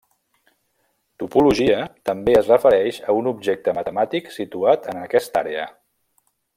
Topologia també es refereix a un objecte matemàtic situat en aquesta àrea.